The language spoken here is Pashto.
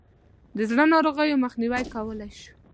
د زړه ناروغیو مخنیوی کولای شو.